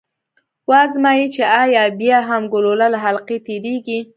و ازمايئ چې ایا بیا هم ګلوله له حلقې تیریږي؟